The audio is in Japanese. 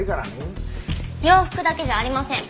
洋服だけじゃありません。